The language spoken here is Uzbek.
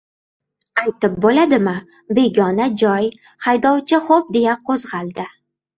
— Aytib bo‘ladimi, begona joy... Haydovchi xo‘p, deya qo‘zg‘oldi.